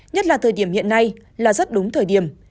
nhất là thời điểm hiện nay là rất đúng thời điểm